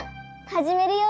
はじめるよ。